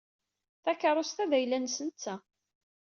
Takeṛṛust-a d ayla-nnes netta.